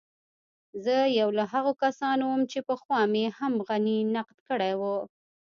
زه يو له هغو کسانو وم چې پخوا مې هم غني نقد کړی و.